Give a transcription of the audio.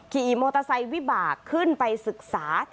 ขี่มอเตอร์ไซค์วิบากขึ้นไปศึกษา